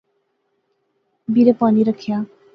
بیرے پانی رکھیا